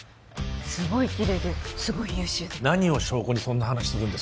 すごいキレイですごい優秀で何を証拠にそんな話するんですか？